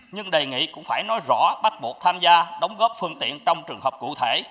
nhưng đề nghị cũng phải nói rõ bắt buộc tham gia đóng góp phương tiện trong trường hợp cụ thể